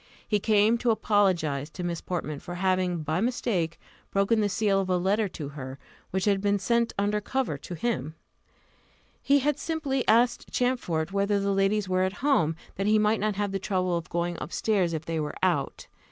He came to apologize to Miss Portman for having, by mistake, broken the seal of a letter to her, which had been sent under cover to him. He had simply asked Champfort whether the ladies were at home, that he might not have the trouble of going up stairs if they were out.